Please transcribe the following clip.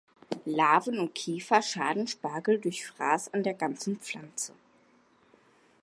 Larven und Käfer schaden Spargel durch Fraß an der ganzen Pflanze.